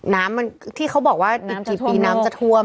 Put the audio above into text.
น้ำมันที่เขาบอกว่าอีกกี่ปีน้ำจะท่วม